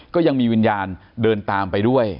ก็ยังมีวิญญาณเดินตามไปด้วย